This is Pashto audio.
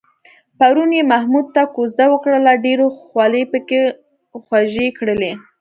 پرون یې محمود ته کوزده وکړله، ډېرو خولې پکې خوږې کړلې.